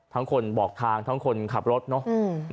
คนบอกทางทั้งคนขับรถเนาะ